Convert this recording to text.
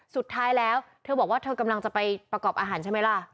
สุดท้ายแล้วเธอบอกว่าเธอกำลังจะไปประกอบอาหารใช่ไหมล่ะ